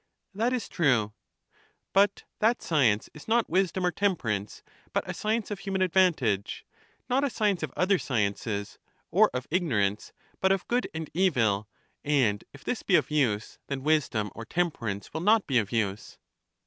That is true. But that science is not wisdom or temperance, but a science of human advantage; not' a science of other sciences, pr of ignorance, but of good and evil: and if this be of usjb, then wisdom or temperance will not be of use.